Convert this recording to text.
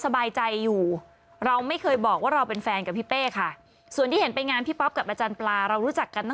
ก็ใช้คำว่ายินดีให้ไปมีแฟนใหม่